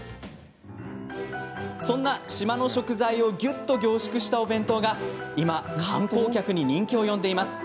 そんな島の食材をぎゅっと凝縮したお弁当が今、観光客に人気を呼んでいます。